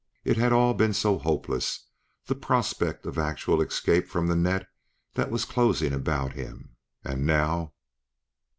It had all been so hopeless, the prospect of actual escape from the net that was closing about him. And now